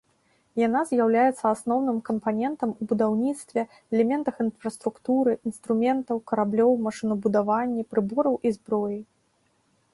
Яна з'яўляецца асноўным кампанентам у будаўніцтве, элементах інфраструктуры, інструментаў, караблёў, машынабудаванні, прыбораў і зброі.